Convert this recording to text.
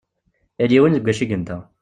Yal yiwen deg wacu i yenta.